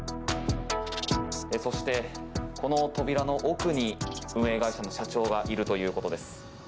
そして、この扉の奥に運営会社の社長がいるということです。